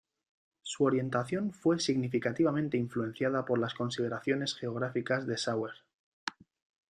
Su orientación fue significativamente influenciada por las consideraciones geográficas de Sauer.